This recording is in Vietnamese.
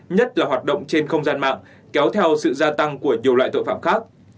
nhất là hoạt động trên không gian mạng kéo theo sự gia tăng của nhiều loại tội phạm khác